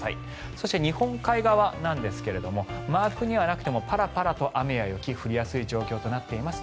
そして、日本海側なんですがマークにはなくてもパラパラと雨や雪が降りやすい状況となっています。